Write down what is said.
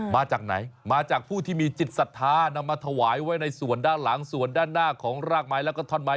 มาจากไหนมาจากผู้ที่มีจิตศรัทธานำมาถวายไว้ในส่วนด้านหลังส่วนด้านหน้าของรากไม้แล้วก็ท่อนไม้